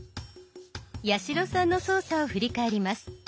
八代さんの操作を振り返ります。